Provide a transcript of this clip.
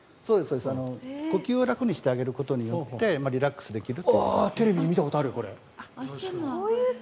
呼吸を楽にしてあげることによってリラックスできるようにしてあげると。